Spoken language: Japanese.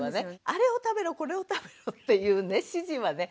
あれを食べろこれを食べろっていう指示はね